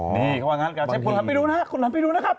นี่เขาวางานการใช้ปลอดภัณฑ์ไปดูนะครับคุณหมอไปดูนะครับ